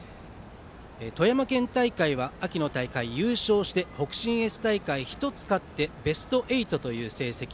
富山県大会は秋の大会優勝して北信越大会１つ勝ってベスト８という成績。